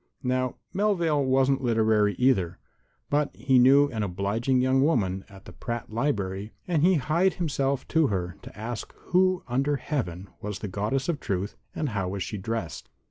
Now, Melvale wasn't literary, either; but he knew an obliging young woman at the Pratt Library, and he hied himself to her to ask who under Heaven was the Goddess of Truth and how was she dressed.